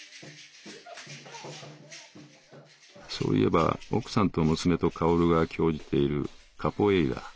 「そういえば奥さんと娘と薫が興じているカポエイラ。